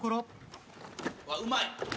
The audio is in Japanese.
・うまい！